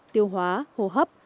tiêu hóa hồ hấp